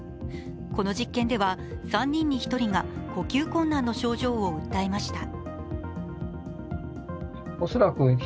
この実験では、３人に１人が呼吸困難の症状を訴えました。